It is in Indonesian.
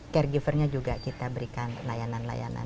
caregiver nya juga kita berikan layanan layanan